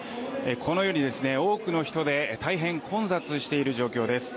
このように、多くの人で大変混雑している状況です。